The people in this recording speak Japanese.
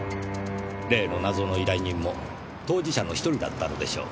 例の謎の依頼人も当事者の一人だったのでしょう。